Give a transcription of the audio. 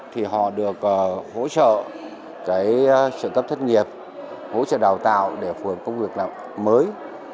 thì họ được hỗ trợ trợ cấp thất nghiệp hỗ trợ đào tạo để phù hợp công việc mới